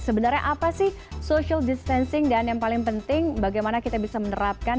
sebenarnya apa sih social distancing dan yang paling penting bagaimana kita bisa menerapkan